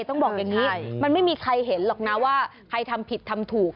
ต้องบอกอย่างนี้มันไม่มีใครเห็นหรอกนะว่าใครทำผิดทำถูก